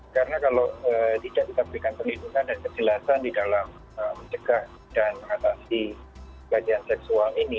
karena kalau tidak kita berikan penyelidikan dan kesilasan di dalam menjegah dan mengatasi kepegawaian seksual ini